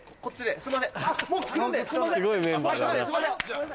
すごいメンバーだな。